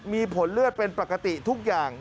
มีผลเลือดเป็นปกติทุกอย่าง